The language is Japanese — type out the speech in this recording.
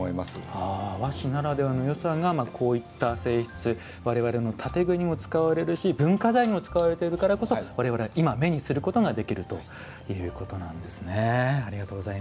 和紙のこういった性質が我々の建具にも使われるし文化財にも使われているから我々、目にすることができるということなんですね。